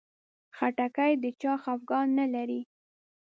خټکی د چا خفګان نه لري.